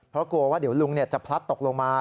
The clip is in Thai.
เพราะกลัวว่าเดี๋ยวลุงจะพลัดตกลงมา